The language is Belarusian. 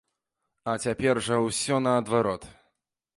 А цяпер жа ўсё наадварот.